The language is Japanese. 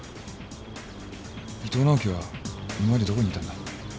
伊藤直季は今までどこにいたんだ？